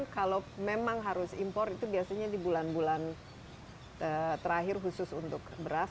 kalau memang harus impor itu biasanya di bulan bulan terakhir khusus untuk beras